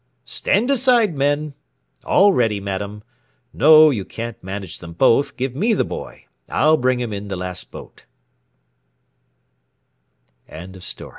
"Stand aside, men! All ready, madam! No, you can't manage them both give me the boy, I'll bring him in the last